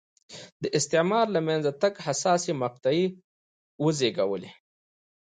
د استعمار له منځه تګ حساسې مقطعې وزېږولې.